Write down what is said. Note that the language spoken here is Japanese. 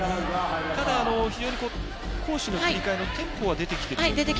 ただ、非常に攻守の切り替えのテンポは出てきましたね。